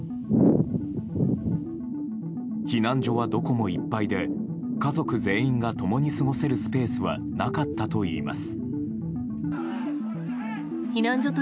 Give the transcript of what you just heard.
避難所はどこもいっぱいで家族全員が共に過ごせるスペースはなかったといいます。